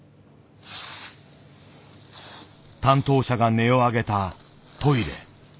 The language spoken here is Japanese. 担当者が音を上げたトイレ。